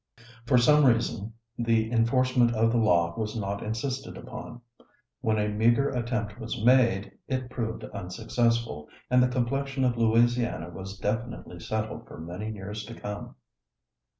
For some reason the enforcement of the law was not insisted upon. When a meagre attempt was made, it proved unsuccessful, and the complexion of Louisiana was definitely settled for many years to come.